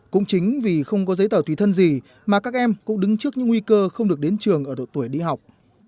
cũng chính vì không có giấy tờ tùy thân gì mà các em cũng đứng trước những nguy cơ không được đến trường ở độ tuổi đi học